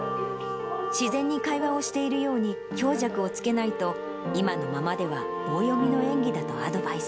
自然に会話をしているように強弱をつけないと、今のままでは棒読みの演技だとアドバイス。